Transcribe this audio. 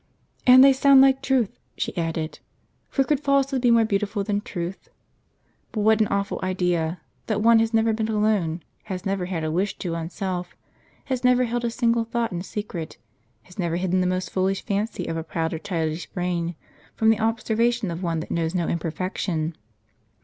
"And they sound like truth," she added; "for could false hood be more beautiful than truth ? But what an awful idea, that one has never been alone, has never had a wish to one self, has never held a single thought in secret, has never hidden the most foolish fancy of a proud or childish brain, from the observation of One that knows no imperfection.